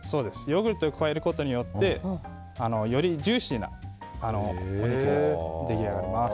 ヨーグルトを加えることによってよりジューシーなお肉が出来上がります。